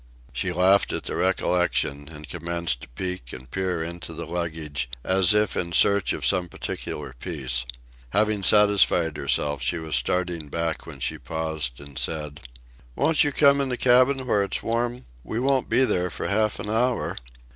She laughed at the recollection, and commenced to peep and peer into the luggage as if in search of some particular piece. Having satisfied herself, she was starting back, when she paused and said: "Won't you come into the cabin where it's warm? We won't be there for half an hour."